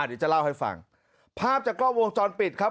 เดี๋ยวจะเล่าให้ฟังภาพจากกล้องวงจรปิดครับ